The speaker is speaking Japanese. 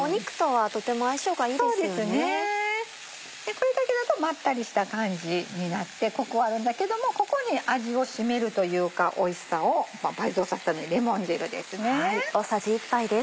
これだけだとまったりした感じになってコクはあるんだけどもここに味を締めるというかおいしさを倍増させるためにレモン汁ですね。